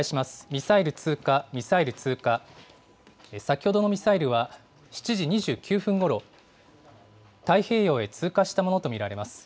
ミサイル通過、ミサイル通過、先ほどのミサイルは、７時２９分ごろ、太平洋へ通過したものと見られます。